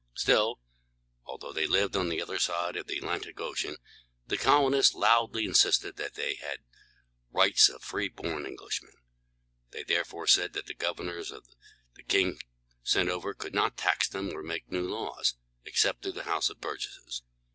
Still, although they lived on the other side of the Atlantic Ocean, the colonists loudly insisted that they had the rights of free born Englishmen. They therefore said that the governors the king sent over could not tax them or make new laws, except through the House of Burgesses.